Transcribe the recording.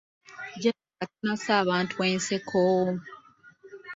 Jeeni katono asse abantu enseko.